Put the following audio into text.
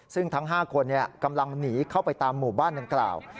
ซึ่งทั้ง๕คนกำลังหนีเข้าไปตามหมู่บ้านดังกล่าว